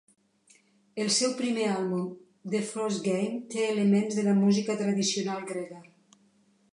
El seu primer àlbum, "The first game", té elements de la música tradicional grega.